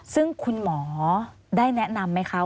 ซึ่งคุณหมอได้แนะนำไหมคะ